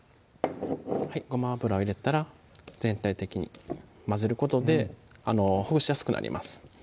ごま油を入れたら全体的に混ぜることでほぐしやすくなります